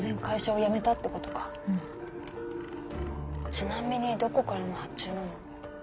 ちなみにどこからの発注なの？